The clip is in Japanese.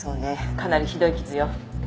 かなりひどい傷よ。